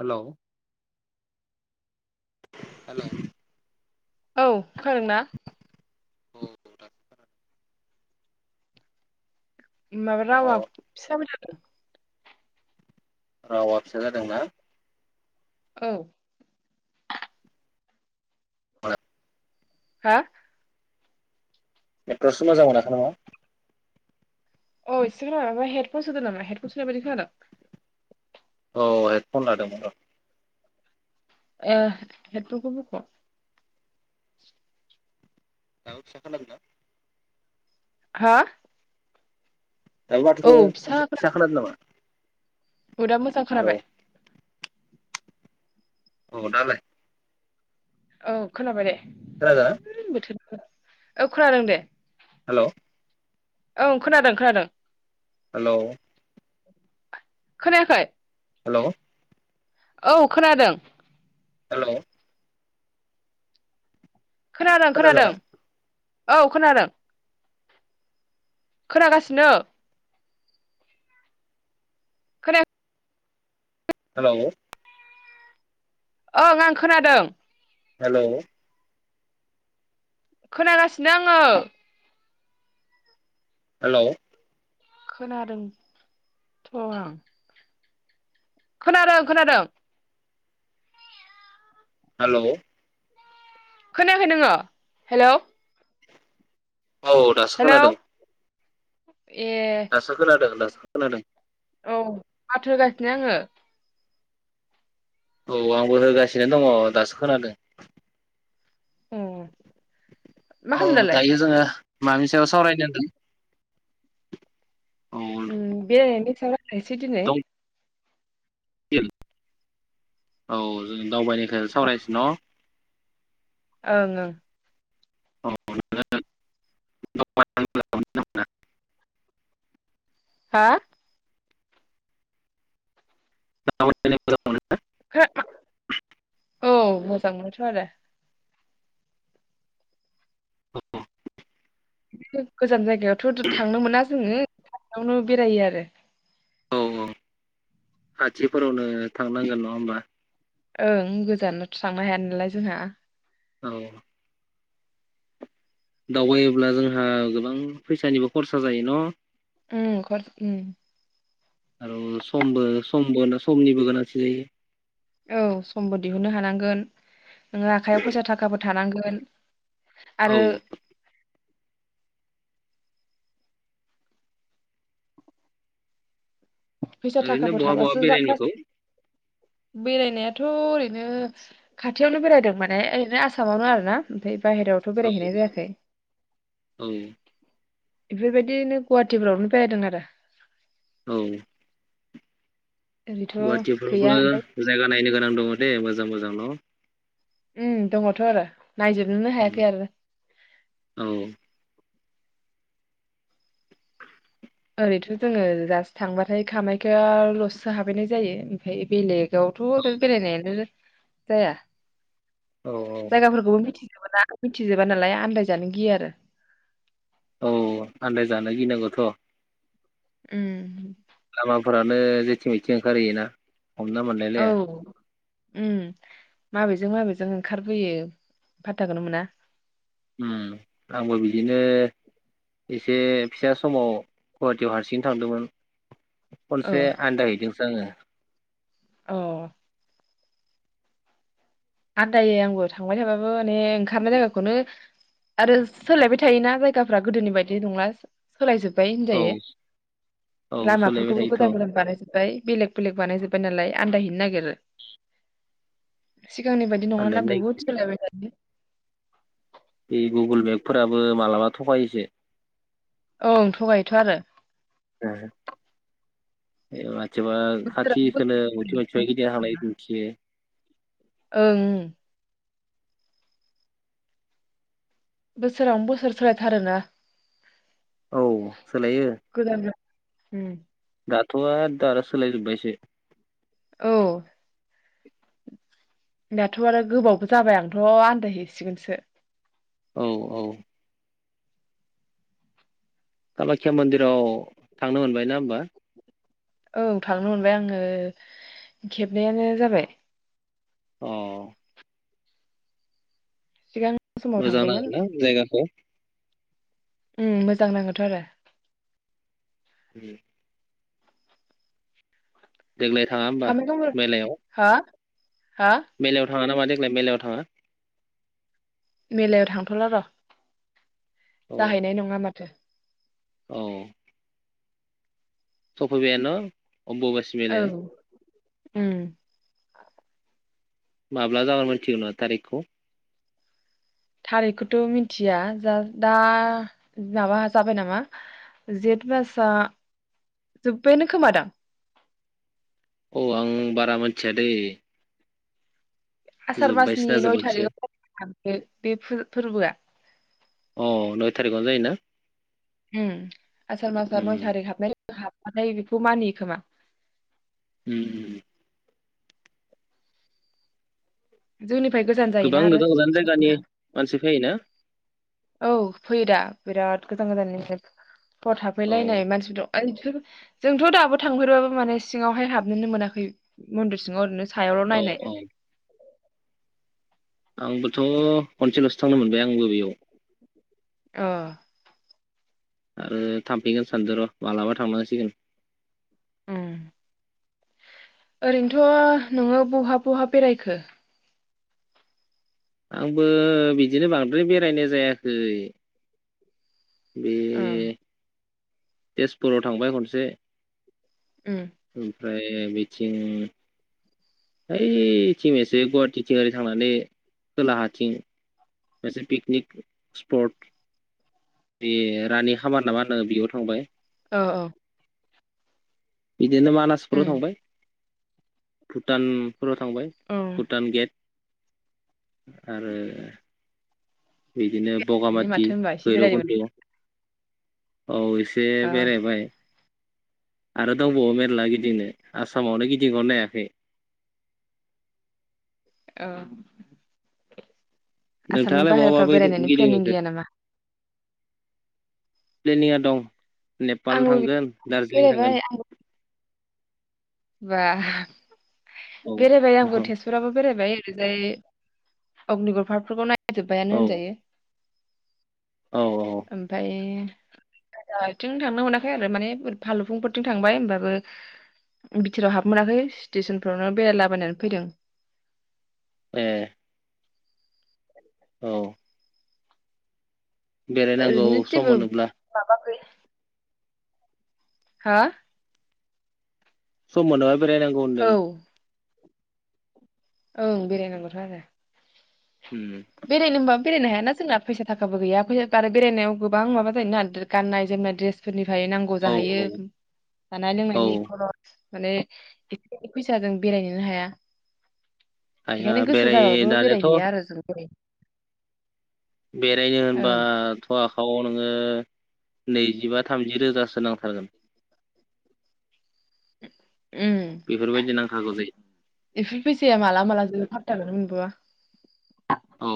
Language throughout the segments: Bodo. Hello hello. औ खोनादों ना? औ नोंथां खोनादों। माबा खोनादों। रावा अ फिसाबो [unintelligible] राववा फिसा जादोंना? औ। [unintelligible] हा? नेटवर्कसो मोजां मोनाखै नामा? अ इसे खोनादों मा हेदफन सोदो नामा? हेदफन सोनाय बायदि खोनादों। औ हेड फन लादोंमोन र'। ओ हेड फोनखौ बख'। दाबो फिसा खोनादों? हा? दाबो औ माथो आ फिसा खोना फिसााखोन नामा? औ दा मोजां हेलौ खोनाबाय। औ दालाय? औ खोनाबाय दे। खोनादों? है [unintelligible] औ खोनादों दे। हेल'। औ खोनादों खोनादों। हेल'। खोनायाखै? हेल'। औ खोनादों। हेल'। खोनादों खोनादों। खोनादोंना औ खोनादों। खोनागासिनो। खोनाया हेल'। ओं आं खोनादों। हेल'। खोनागासिनो आङो। हेल'। खोनादों थ' आं। खोनादों खोनादों। हेल'। खोनाखै नोङो? हेल'। औ दासो खोनादों। औ [inaudible] दासो खोनादों दास खोनादों? औ माथो होगासिनो आङो। औ आंबो होगासिनो दङ दासो खोनादों। उम। मा औ खालामदों दालाय? दायो जोंङो मानि सायाव सावरायनो होनदों? [inaudible] उम बेरायनायनि दि सायाव रायलायसै दिनै। औ [unintelligible] [inaudible] औ जों दावबायनाय सावरायसै न'? ओं ओं। अ [unintelligible] हा? [inaudible] [unintelligible] [unintelligible] [inaudible] औ मोजां मोनथ' आरो। गोजान जायगायावथ' थांनो मोना जोंङो खाथियावनो बेरायो आरो। औ खाथिफोरावनो थांनांगोन नङा होमब्ला? ओं गोजानावथ' थांनो हाया नालाय जोंहा। औ। दावबायोब्ला जोंहा गोबां फैसानिबो खरसा जायो न'? उम खत उम। आरो समबो समबो समनिबो गोनांथि जायो। औ समबो दिहुननो हानांगोन। नों आखायाव फैसा थाखाफोर थानांगोन। औ। आरो फैसा ओरैनो थाखाफोर बहा बहा थाबासो जा गास बेरायहैखौ? बेरायनायाथ' ओरैनो खाथियावनो बेरायदों माने ओरैनो आसामावनो आरोना ओमफ्राय बाहेरावथ' औ बेरायहैनाय जायाखै। औ [inaudible] बेफोरबायदिनो गुवाहाटिफोरावनो बेरायदों आरो। औ। ओरैथ' गुवाहाटि गैया फोरावबो ओमफ्राय जायगा नायनो गोनां दंङ दे मोजां मोजां न? उम दंङ थ' आरो। नायजोबनोनो हायाखै आरो। [inaudible] औ ओरैथ' जोंङो जास्त थांबाथाय कामाख्या लसो हाबायनाय जायो ओमफ्राय बेलेग आवथ' बेरायनायानो जाया। औ जायगाफोरखौबो मिथि मि ना मिथिजोबा नालाय आन्दायजानो गिया आरो। औ आन्दाय जानो गिनांगौथ' उम लामाफोरानो जेथिं मेथिं ओंखारहैयोना हमना औ मोनलायलाया उम माबेजों माबेजों ओंखारबोयो फातताखौनो मोना। उम आंबो बिदिनो एसे फिसा समाव गुवाहाटियाव हारसिं थांदोंमोन। औ खनसे आन्दायहैदों। जोङो। अ। आनदायो आंबो थांबाय थाबाबो माने ओंखारनाय जायगाखौनो आरो सोलायबाय थायोना जायगाफ्रा गोदोनि बायदि नंला। सोलायजोबबाय औ होनजायो औ सोलायबाय लामाफोरखौबो थायोथ' गोदान गोदान बानायजोब्बाय। बेलेग बेलेग बानायजोबबाय नालाय आन्दायहैैनो नागिर बे [inaudible] सिगांनि बायदि नङाना आन्दायनो बुहुत नागिरो सोलायबाय थायो। बे गुगुल मेपफोराबो मालाबा थगायोसो। औ थगायथ' आरो। [inaudible] सोरबा बोसोरावनो खाथिखौनो बोसोर मुथिबा मिथिबाइ गिदिंना थांनाय दिन्थियो। ओं। बोसोरावनो बोसोर सोलायथारोना। औ सोलायो। गोदान गोदान। उम। दाथ'आ दारा सोलाय जोबबायसो। औ दाथ' आरो गोबावबो जाबाय आंथ' आनन्दायहैसिगोनसो। औ औ। कामाख्या मणडिराव थांनो मोनबाय ना होमबा? औ थांनो मोनबाय आङो खेबनैयानो जाबाय। अ। सिगां समाव मोजां थांदोंमोन नाङोना जायगाखौ? उम मोजां नाङोथ' आरो उम [inaudible] देग्लाय थाङा होमबा कामाख्या मन्दिर मेलायाव? हा हा? मेलायाव थाङा नामा देग्लाय मेलायाव थाङा? मेलायाव थांथ'ला र'। औ जाहैनाय नङा माथो। औ। सफैबायानो न'? आमबुबासि औ मेलाया। उम। माब्ला जागोन मिथिगौ ना थारिखखौ थारिखखौथ' मिथिया जा दा माबा जाबाय नामा जेठ मासआ जोब्बायानो खोमादां औ आं बारा मोनथियादे आसारबासनि नय जोबाखैसो थारिखाव फनो थांदो बे फोरबोआ अ नय थारिखआवनो जायोना ओम आसार मासा उम नय थारिख हाबनाय हाबथाय बेखौ मानियो खोमा उम जोंनि गोबां गोजान गोजान जायगानि मानसि फैयो ना औ फैयोदा बिराद गोजान गोजाननिफ्राय हर औ थाफैलायनाय मानसिफोर दं जोंथ' दाबो थांफेरबाबो माने सिङावहाय हाबनोनो मोनाखै मन्दिर सिंङाव ओरैनो सायावल' औ नायनाय औ आंबोथ' खनसेल'सो थांनो मोनबाय आंबो बेयाव अ आरो थांफिगोन सानद र' मालाबा थांनांसिगोन उम ओरैनोथ' नोंङो बहा बहा बेरायखो आंबो बिदिनो बांद्राय बेरायनाय जायाखै ओ बे तेजपुराव थांबाय खनसे ओ ओमफ्राय बेतिं इथिं एसे गुवाहाटिथिं ओरै थांनानै खोलाहाथिं मोनसे पिकनिक स्पट बे रानि खामार नामाङो बेयाव थांबाय औ औ बिदिनो मानासफोराव उम थांबाय भुटान फोराव थांबाय औ भुटान गेट आरो बि बिदिनो बे बगामाथि माथो होनबा एसे बेरायनो भैरबखुन्द औ एसे अ बेरायबाय आरो दंबावो मेरला गिदिंनो आसामावनो गिदिंहरनो नायाखै औ आसामनि नोंथाङालाय बहाबा बाहेरफ्राव बा बेरायनायनि प्लेनिं गिदिंहैखो गैया नामा? प्लेनिंआ दं। नेपाल आंबो थांगोन दार्जिलिं बेरायबाय थांगोन। आंबो बा औ बेरायबाय आंबो तेजपुराबो बेरायबाय जाय अगनिगर फारक फोरखौनाय औ बायानो होनजायो। औ ओमफाय थिं थांनो मोनाखै आरो माने फालुफुंफोरथिं थांबाय होनोमबाबो बिथोराव हाबनो मोनाखै स्टेसनफ्रावनो बेरायलाबायनानै फैदों। ए औ बेरायनांगौ ओरैनो सम जेबो मोनोब्ला। माबा गै हा सम मोनोबा रायनांगौ होनदों। औ ओं बेरायनांगौथ आरो होम बेरायनो होनबाबो बेरायनो हायाना जोंना फैसा थाखाबो गैया आरो बेरायनायाव गोबां माबा जायोना गाननाय जोमनाय द्रेसफोरनि फ्राय नांगौ औ जाहैयो जानाय औ लोंनायनि खरस माने एसे फैसाजों बेरायनोनो हाया। आइया एखायनो गोसो बेराय जाबाबो दानियाथ' बेरायहैया आरो जों बे बेरायनो ओं होनबाथ थाव नोङो नैजिबा थामजि रोजासो नांथारगोन। [inaudible] उम बेफोरबायदि नांथारगौ जायो एफोर फैसाया माला माला जोबो फात [unintelligible] औ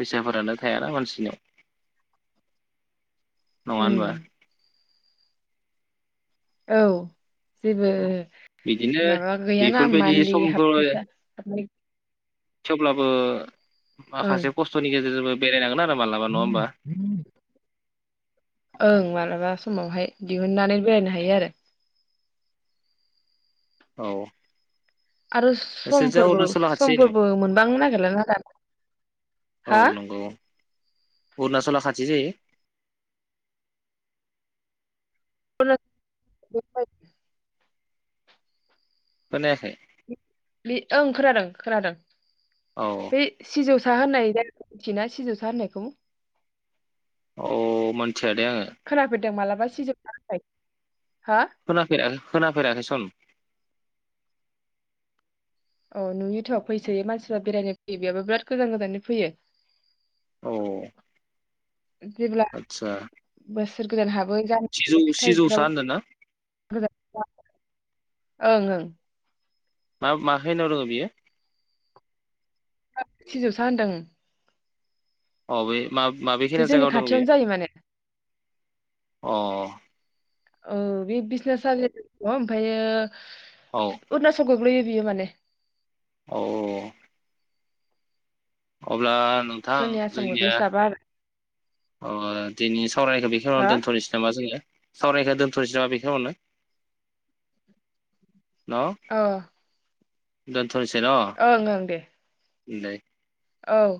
फैसाफोरानो थायाना मानसिनियाव। नङा उम होनबा। औ जेबो बिदिनो माबा गैयाना बेफोरबायदि मानलि हाफ समखौ फैसा थेवब्लाबो ओं माखासे खस्थनि गेजेरजोंबो। बेरायनांगोना ओं मालाबा समावहाय दिहुननानै बेरायनो हायो आरो औ आरो नोंसोरजों समफोरबो अरुणाचला खाथि जायो समफोरबो मोनबांनो नागिरलाना दा हा अरुणाचल आ खाथि जायो [unintelligible] खोनायाखै बे ओं खोनादों खोनादों औ बे सिजौ साहा होननाय जाय मिथिना सिजौसा होननायखौ अ मोनथियादे आङो खोनाफेरदों [unintelligible] खोना फेरा खोनाफेराखै सन औ नुयोथ' फैसोयो मानसिफ्रा बेरायनो फैयो बेयावाबो बिराद गोजान गोजाननि फैयो औ जेब्ला आदसा बो सोर गोदान हाब बो सिजौ गामिनि सिजौसा होनदों ना [unintelligible] ओं ओं मा मा खैनिङाव दोङो बियो सिजौवसा होनदों अ बे मा माबे बे खैना जोंनि जायगायाव दङ बियो खाथियावनो जायो माने अ औ बे बिसनाथ सारिआलि दङ ओमफायो औ अरुनाचल गोग्लैयो बियो माने औ औ औ अब्ला नोंथां जोंनि आसाम जोंनिया [unintelligible] गोग्लैस्लाबा आरो सावरायखौ बे खिनिङावनो हा दोनथ'नोसै नामा जोङो सावरायखौ दोन्थ'नोसै नामा बेखिङावनो न अ दोन‌ ओं ओं दे दे औ